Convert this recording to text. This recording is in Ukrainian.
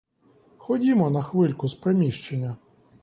Ходімо на хвильку з приміщення.